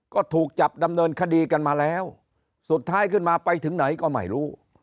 ก็ถูกจับดำเนินคดีกันมาแล้วสุดท้ายขึ้นมาไปถึงไหนก็ไม่รู้